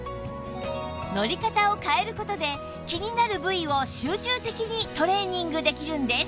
乗り方を変える事で気になる部位を集中的にトレーニングできるんです